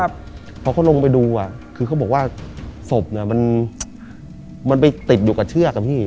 พอเขาลงไปดูคือเขาบอกว่าศพมันไปติดอยู่กับเชือกอะพี่